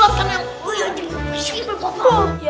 yang si pitung juga jago silap